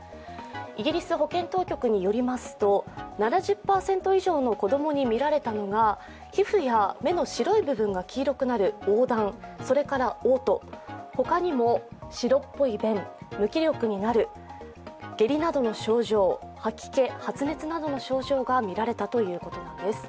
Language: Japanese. イギリス保健当局によりますと７０％以上の子供に見られたのが皮膚や目の白い部分が黄色くなるおうだん、それからおう吐、ほかにも白っぽい便無気力になる、下痢などの症状、吐き気・発熱などの症状が見られたということなんです。